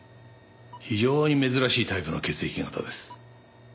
非常に珍しいタイプの血液型です。